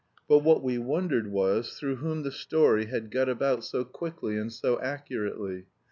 But what we wondered was, through whom the story had got about so quickly and so accurately.